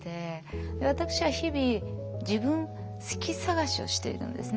で私は日々自分「好き探し」をしているんですね。